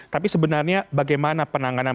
tapi sebenarnya bagaimana penanganan